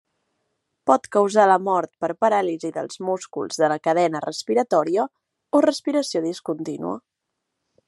Pot causar la mort per paràlisi dels músculs de la cadena respiratòria o respiració discontínua.